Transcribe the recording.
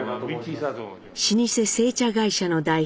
老舗製茶会社の代表